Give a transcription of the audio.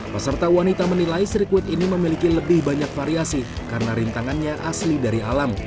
peserta wanita menilai sirkuit ini memiliki lebih banyak variasi karena rintangannya asli dari alam